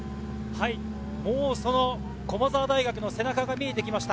駒澤大学の背中が見えてきました。